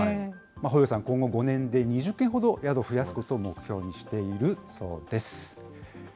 保要さん、今後５年で２０軒ほど宿、増やすことを目標にしているそうです。